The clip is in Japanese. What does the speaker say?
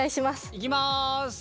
いきます。